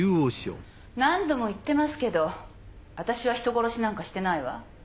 何度も言ってますけど私は人殺しなんかしてないわ。